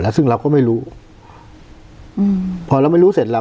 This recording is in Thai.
ซึ่งเราก็ไม่รู้อืมพอเราไม่รู้เสร็จเรา